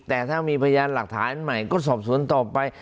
แต่ถ้ามีพยานหลักฐานใหม่ก็สอบสวนต่อไป